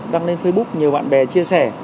đăng lên facebook nhiều bạn bè chia sẻ